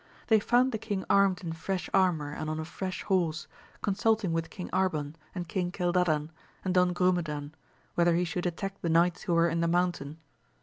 They found the king armed in fresh armour and on a fresh horse, consulting with King Arban, and King Cildadan, and Don Grumedan, whether he should attack the knights who were in the mountain.